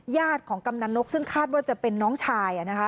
ญาติของกำนันนกซึ่งคาดว่าจะเป็นน้องชายนะคะ